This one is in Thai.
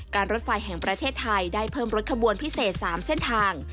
รถไฟแห่งประเทศไทยได้เพิ่มรถขบวนพิเศษ๓เส้นทาง